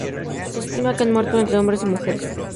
Se estima que han muerto entre y hombres.